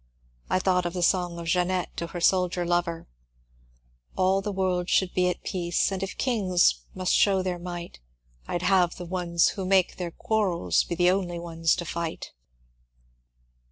I thought of the song of Jeannette to her soldier lover :— All the world should be at peace; And if kings most show their might, I 'd have thoee who make their qaarrela Be the only ones to fight.